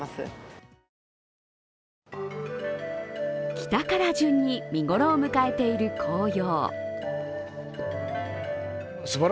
北から順に見頃を迎えている紅葉。